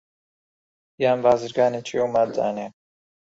یان بازرگانێکی ئەو ماددانەیە